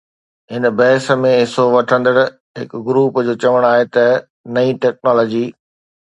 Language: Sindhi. هن بحث ۾ حصو وٺندڙ هڪ گروپ جو چوڻ آهي ته نئين ٽيڪنالاجي